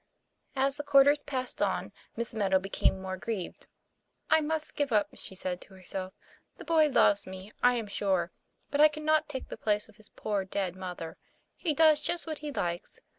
As the quarters passed on, Miss Meadow became more grieved. " I must give up," she said to herself. " The boy loves me, I am sure; but I cannot take the place of his poor dead mother. He does just what he likes.